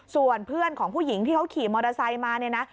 ส่วนเพื่อนของผู้หญิงที่เขาขี่มอเตอร์ไซค์มาเนี่ยนะ